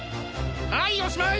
はいおしまい！